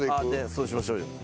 そうしましょうよ。